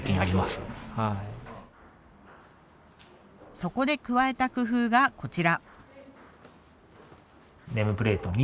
そこで加えた工夫がこちら。